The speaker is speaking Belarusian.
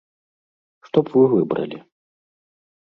Што б вы выбралі?